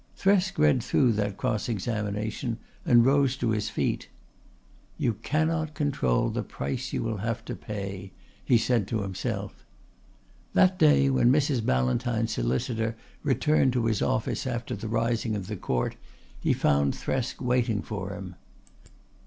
Thresk read through that cross examination and rose to his feet. "You cannot control the price you will have to pay," he said to himself. That day, when Mrs. Ballantyne's solicitor returned to his office after the rising of the Court, he found Thresk waiting for him.